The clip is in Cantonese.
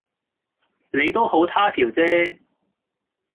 你都好他條即